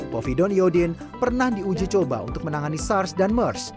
povidon yodin pernah diuji coba untuk menangani sars dan mers